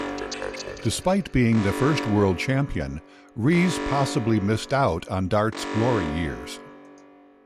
Despite being the first world champion, Rees possibly missed out on darts' glory years.